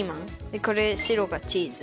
でこれ白がチーズ。